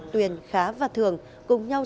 tuyền khá và thường cùng nhau